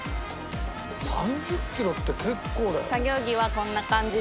３０キロって結構だよ。